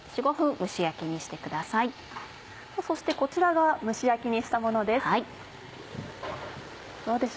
そしてこちらが蒸し焼きにしたものです。